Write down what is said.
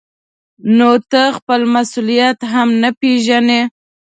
نو ته خپل مسؤلیت هم نه پېژنې.